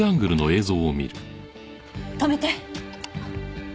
止めて！